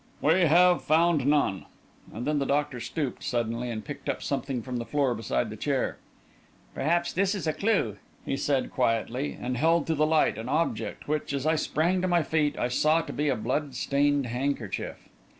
"We have found none." And then the doctor stooped suddenly and picked up something from the floor beside the chair. "Perhaps this is a clue," he said, quietly, and held to the light an object which, as I sprang to my feet, I saw to be a blood stained handkerchief.